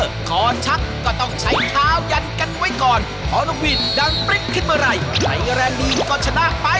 ค่อนชักก็ต้องใช้ขาวยันกันไว้ก่อน